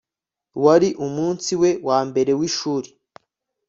wari umunsi we wa mbere w'ishuri